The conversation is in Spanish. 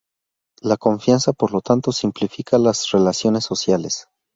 La confianza, por lo tanto, simplifica las relaciones sociales.